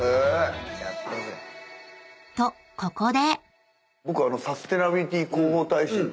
［とここで］